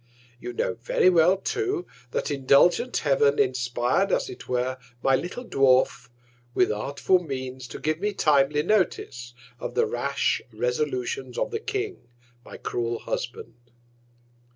You know very well too, that indulgent Heav'n inspir'd, as it were, my little Dwarf, with artful Means to give me timely Notice of the rash Resolutions of the King, my cruel Husband.